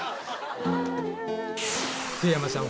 福山さん